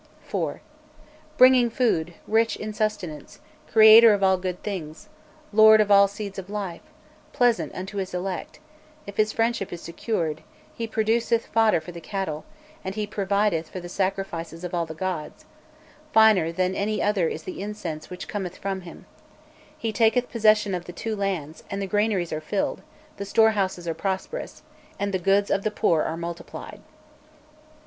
"IV. Bringing food, rich in sustenance, creator of all good things, lord of all seeds of life, pleasant unto his elect, if his friendship is secured he produceth fodder for the cattle, and he provideth for the sacrifices of all the gods, finer than any other is the incense which cometh from him; he taketh possession of the two lands and the granaries are filled, the storehouses are prosperous, and the goods of the poor are multiplied.